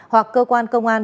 hoặc cơ quan công an